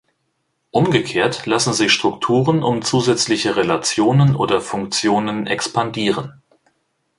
Umgekehrt lassen sich Strukturen um zusätzliche Relationen oder Funktionen "expandieren".